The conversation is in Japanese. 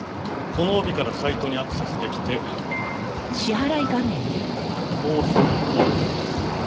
この帯からサイトにアクセスできてこうすると。